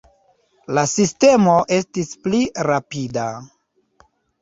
La sistemo estis pli rapida.